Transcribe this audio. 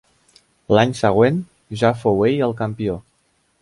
L'any següent, ja fou ell el campió.